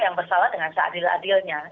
yang bersalah dengan seadil adilnya